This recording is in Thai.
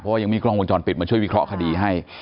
เพราะว่ายังมีกล้องวงจรปิดมาช่วยวิเคราะห์คดีให้